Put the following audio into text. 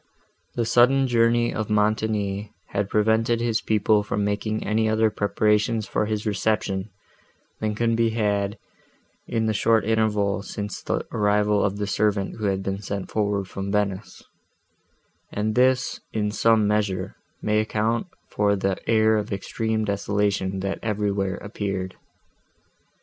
The sudden journey of Montoni had prevented his people from making any other preparations for his reception, than could be had in the short interval, since the arrival of the servant, who had been sent forward from Venice; and this, in some measure, may account for the air of extreme desolation, that everywhere appeared.